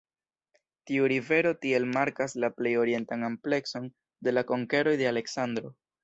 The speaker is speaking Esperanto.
Tiu rivero tiel markas la plej orientan amplekson de la konkeroj de Aleksandro.